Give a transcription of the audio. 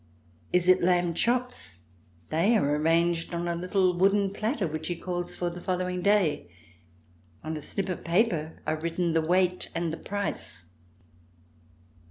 Is it lamb chops? They are arranged on a little wooden platter which he calls for the following day. On a slip of paper are written the weight and the price.